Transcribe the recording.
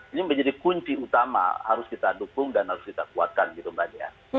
ini menjadi kunci utama harus kita dukung dan harus kita kuatkan gitu mbak dian